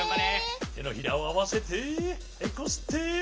てのひらをあわせてこすって。